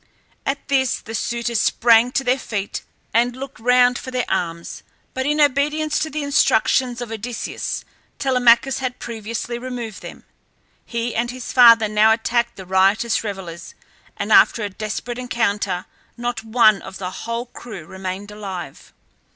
At this the suitors sprang to their feet and looked round for their arms; but in obedience to the instructions of Odysseus Telemachus had previously removed them. He and his father now attacked the riotous revellers, and after a desperate encounter not one of the whole crew remained alive.